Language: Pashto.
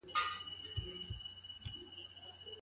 روغتیایي شوراګانې څنګه رامنځته کیږي؟